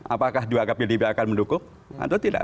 apakah diagap agapnya akan mendukuk atau tidak